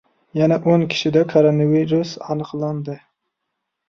Yana o'n kishida koronavirus aniqlandi!